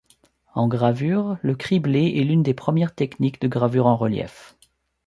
En gravure, le criblé est l'une des premières techniques de gravure en relief.